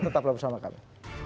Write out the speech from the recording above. tetaplah bersama kami